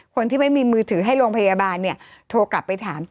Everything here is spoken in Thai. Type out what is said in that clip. คนที่ไม่มีมือถือให้โรงพยาบาลเนี่ยโทรกลับไปถาม